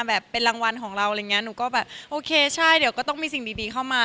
แบบเป็นรางวัลของเราอะไรอย่างนี้หนูก็แบบโอเคใช่เดี๋ยวก็ต้องมีสิ่งดีเข้ามา